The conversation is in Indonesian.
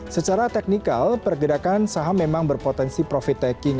secara teknikal pergerakan saham memang berpotensi profit taking